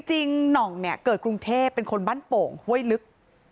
หน่องเนี่ยเกิดกรุงเทพเป็นคนบ้านโป่งห้วยลึก